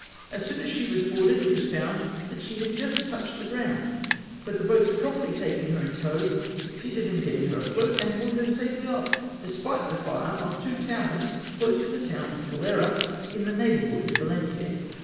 As soon as she was boarded it was found that she had just touched the ground, but the boats promptly taking her in tow, succeeded in getting her afloat, and brought her safely off despite the fire of two towers close to the town of Cullera, in the neighbourhood of Valencia.